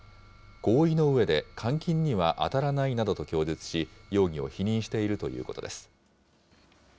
合意のうえで監禁には当たらないなどと供述し、容疑を否認しているということです。